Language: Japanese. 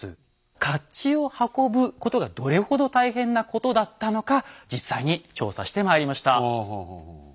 甲冑を運ぶことがどれほど大変なことだったのか実際に調査してまいりました。